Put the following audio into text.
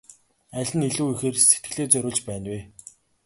Аль нь илүү ихээр сэтгэлээ зориулж байна вэ?